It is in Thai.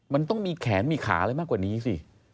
มันต้องมีแขนมีขาอะไรมากกว่านี้สิ